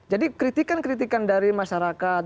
jadi kritikan kritikan dari masyarakat